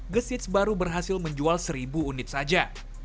gesits baru berhasil menjual seribu unit saja